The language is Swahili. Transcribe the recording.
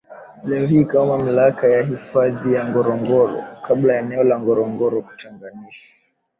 leo hii kama mamlaka ya hifadhi ya Ngorongoro kabla eneo la Ngorongoro kutenganishwa